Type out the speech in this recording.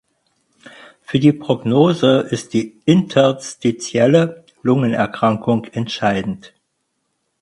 Für die Prognose ist die Interstitielle Lungenerkrankung entscheidend.